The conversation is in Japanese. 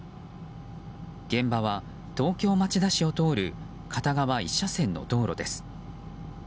現場は東京・町田市を通る片側１車線の道路です。